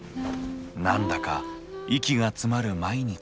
何だか息が詰まる毎日。